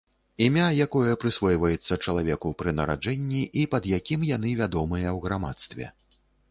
Імя, якое прысвойваецца чалавеку пры нараджэнні і пад якімі яны вядомыя ў грамадстве.